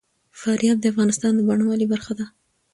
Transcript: فاریاب د افغانستان د بڼوالۍ برخه ده.